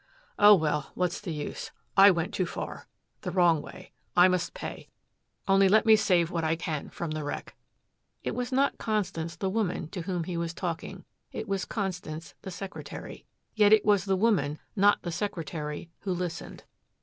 Oh well what's the use? I went too far the wrong way. I must pay. Only let me save what I can from the wreck." It was not Constance, the woman, to whom he was talking. It was Constance, the secretary. Yet it was the woman, not the secretary, who listened.